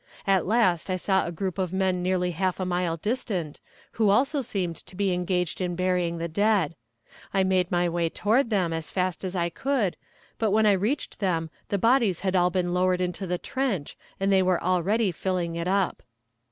At last I saw a group of men nearly half a mile distant, who also seemed to be engaged in burying the dead. I made my way toward them as fast as I could, but when I reached them the bodies had all been lowered into the trench, and they were already filling it up.